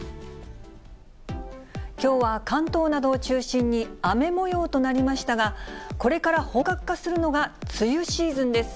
きょうは関東などを中心に雨もようとなりましたが、これから本格化するのが梅雨シーズンです。